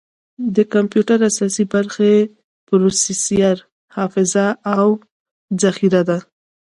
د کمپیوټر اساسي برخې پروسیسر، حافظه، او ذخیره ده.